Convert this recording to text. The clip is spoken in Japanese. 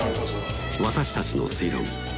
私たちの推論